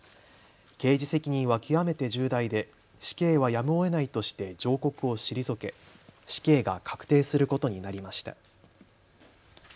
刑事責任は極めて重大で死刑はやむをえないとして上告を退け死刑が確定することになりました。